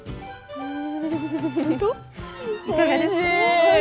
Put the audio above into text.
うん。